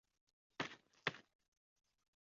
创办人张建宏。